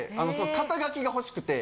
肩書が欲しくて。